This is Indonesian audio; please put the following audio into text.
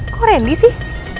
kok randy sih